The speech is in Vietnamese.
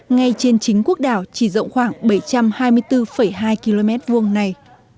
ngay trên chính quốc đảo chỉ rộng khoảng bảy trăm hai mươi bốn hai km hai này